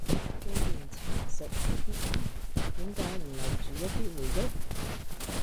既然蠶蝕係必然，點解唔留住一啲回憶？